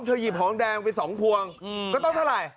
หยิบหอมแดงไป๒พวงก็ต้องเท่าไหร่